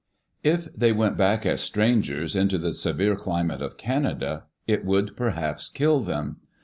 If they went back as strangers, into the severe climate of Canada, it would perhaps kill them.